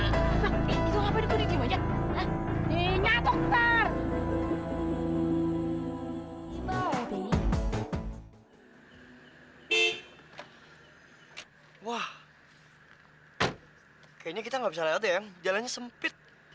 kayaknya kita nggak bisa lewat ya yang jalannya sempit